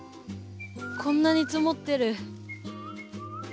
こんなに積もってる。